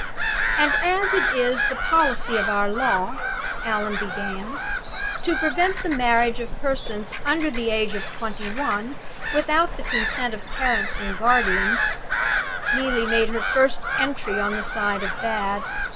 "'And as it is the policy of our law,'" Allan began, "'to prevent the marriage of persons under the age of twenty one, without the consent of parents and guardians'" (Neelie made her first entry on the side of "Bad!"